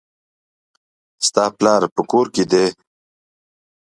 ستا پلار په کور کښي دئ.